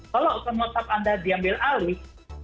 kalau akun whatsapp anda diambil alih